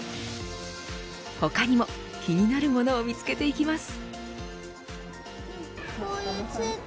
他にも気になるものを見つけていきます。